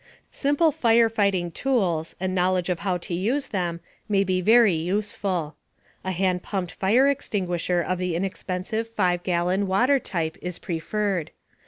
Simple fire fighting tools, and knowledge of how to use them, may be very useful. A hand pumped fire extinguisher of the inexpensive, 5 gallon, water type is preferred.